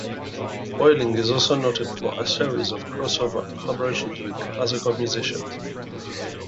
Bolling is also noted for a series of "crossover" collaborations with classical musicians.